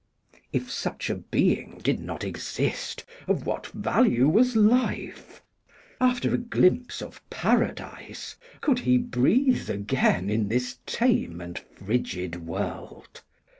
If such a being did not exist, of what value was life? After a glimpse of Paradise, could he breathe again in this tame and frigid world?